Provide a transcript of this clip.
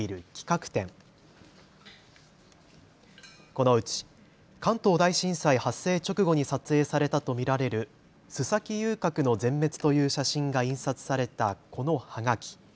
このうち関東大震災発生直後に撮影されたと見られる洲崎遊郭の全滅という写真が印刷されたこのはがき。